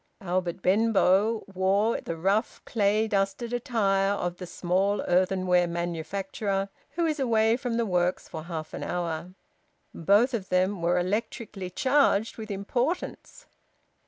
Albert Benbow wore the rough, clay dusted attire of the small earthenware manufacturer who is away from the works for half an hour. Both of them were electrically charged with importance.